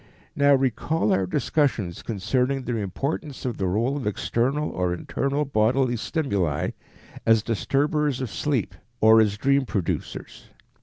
_ Now recall our discussions concerning the importance of the role of external or internal bodily stimuli as disturbers of sleep, or as dream producers.